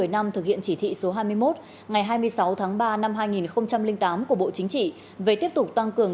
một mươi năm thực hiện chỉ thị số hai mươi một ngày hai mươi sáu tháng ba năm hai nghìn tám của bộ chính trị về tiếp tục tăng cường